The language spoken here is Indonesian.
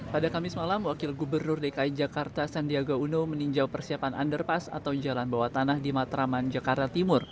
pada kamis malam wakil gubernur dki jakarta sandiaga uno meninjau persiapan underpass atau jalan bawah tanah di matraman jakarta timur